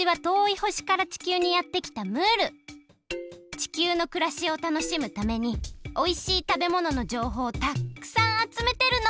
地球のくらしをたのしむためにおいしいたべもののじょうほうをたっくさんあつめてるの！